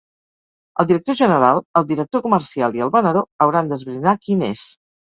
El director general, el director comercial i el venedor hauran d’esbrinar quin és.